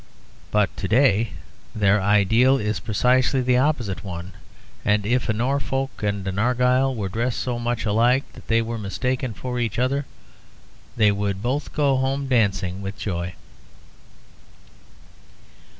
But to day their ideal is precisely the opposite one, and if a Norfolk and an Argyll were dressed so much alike that they were mistaken for each other they would both go home dancing with joy.